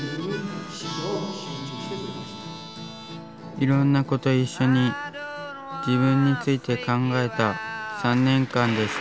いろんな子と一緒に自分について考えた３年間でした。